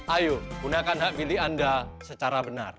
ayo gunakan hak pilih anda secara benar